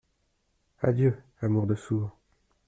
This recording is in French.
Adieu, amour de sourd !…